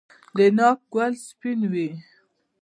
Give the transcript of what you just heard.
د ناک ګل سپین وي؟